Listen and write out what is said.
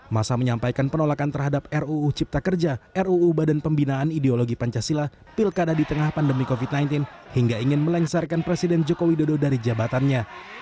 masa menyampaikan penolakan terhadap ruu cipta kerja ruu badan pembinaan ideologi pancasila pilkada di tengah pandemi covid sembilan belas hingga ingin melengsarkan presiden joko widodo dari jabatannya